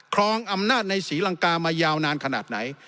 ครองอำนาจในศรีลังกามายาวนานขนาดไหน